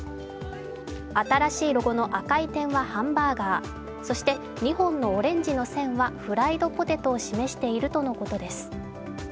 新しいロゴの赤い点はハンバーガー、そして２本のオレンジの線はフライドポテトを示しているとのことです。